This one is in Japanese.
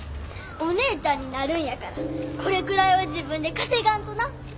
お姉ちゃんになるんやからこれくらいは自分で稼がんとな。